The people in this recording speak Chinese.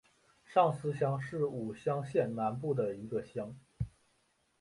上司乡是武乡县南部的一个乡。